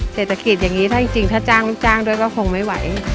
เศรษฐกิจอย่างนี้ถ้าจ้างจ้างด้วยก็คงไม่ไหว